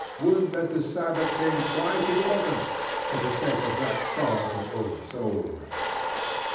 Would that the Sabbath came twice as often, for the sake of that sorrowful old soul!